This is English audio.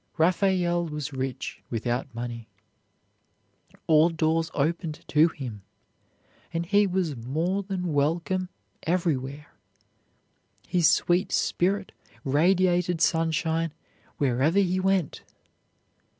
Raphael was rich without money. All doors opened to him, and he was more than welcome everywhere. His sweet spirit radiated sunshine wherever he went.